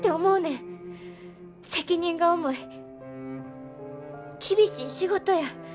責任が重い厳しい仕事や。